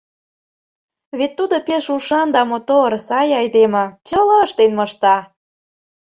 Вет тудо пеш ушан да мотор, сай айдеме, чыла ыштен мошта.